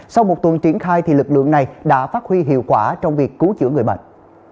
sau một tuần triển khai lực lượng này đã phát huy hiệu quả trong việc cứu chữa người bệnh